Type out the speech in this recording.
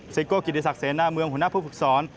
ซิโกร์กิจศักดิ์เสร็จหน้าเมืองหัวหน้าผู้ฝึกซ้อน